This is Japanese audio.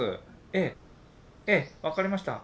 ええええ分かりました。